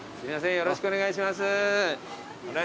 よろしくお願いします。